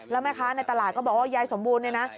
แล้วแม่ค้าในตลาดก็บอกว่ายายสมบูรณ์